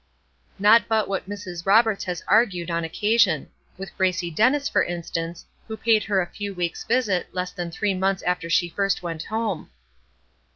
Not but what Mrs. Roberts has argued, on occasion, with Gracie Dennis, for instance, who paid her a few weeks' visit, less than three months after she first went home.